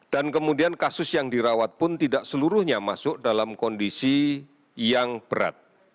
dan kemudian kasus yang dirawat pun tidak seluruhnya masuk dalam kondisi yang berat